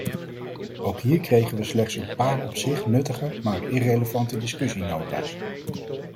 Ook hier kregen we slechts een paar op zich nuttige maar irrelevante discussienota’s.